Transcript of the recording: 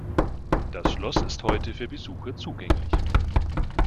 Das Schloss ist heute für Besucher zugänglich.